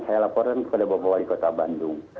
saya laporkan kepada bapak wali kota bandung